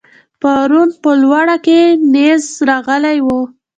پرون په لوړه کې نېز راغلی و.